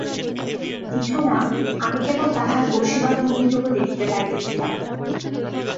কিছু না, আমি কেবল তাহার বসিবার ভঙ্গিটুকু দেখিতে পাইতেছিলাম।